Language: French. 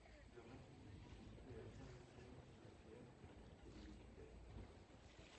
Leur atelier se situe à Birmingham en Angleterre dans le quartier de Digbeth.